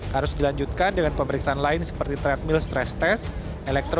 harus dilanjutkan dengan pemeriksaan lain seperti treadmill stress test